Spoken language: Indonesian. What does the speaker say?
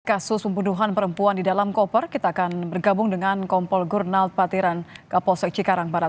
kasus pembunuhan perempuan di dalam koper kita akan bergabung dengan kompol gurnald patiran kapolsek cikarang barat